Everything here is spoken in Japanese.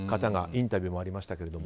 インタビューでもありましたけど。